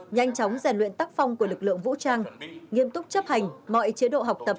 nhanh chóng rèn luyện tắc phong của lực lượng vũ trang nghiêm túc chấp hành mọi chế độ học tập